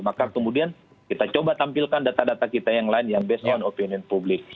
maka kemudian kita coba tampilkan data data kita yang lain yang based on opinion publik